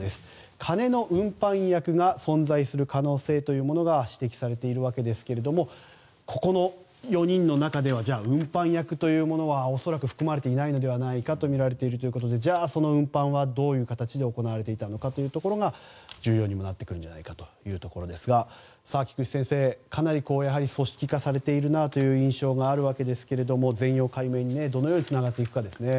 金の運搬役が存在する可能性が指摘されているわけですけれどもこの４人の中には運搬役というものは恐らく含まれていないのではないかとみられているということでじゃあ、その運搬はどういう形で行われていたのかが重要にもなってくるんじゃないかというところですが菊地先生、かなり組織化されているなという印象がありますが全容解明にどのようにつながっていくかですね。